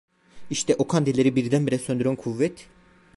İşte o kandilleri birdenbire söndüren kuvvet…